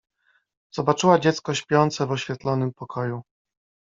Zobaczyła dziecko śpiące w oświetlonym pokoju.